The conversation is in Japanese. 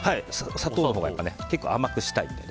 砂糖のほうが、甘くしたいので。